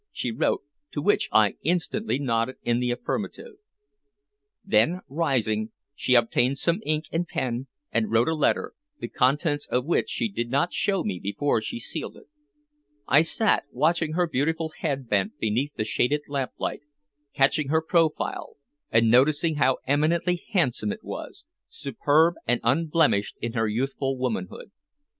she wrote, to which I instantly nodded in the affirmative. Then rising, she obtained some ink and pen and wrote a letter, the contents of which she did not show me before she sealed it. I sat watching her beautiful head bent beneath the shaded lamplight, catching her profile and noticing how eminently handsome it was, superb and unblemished in her youthful womanhood.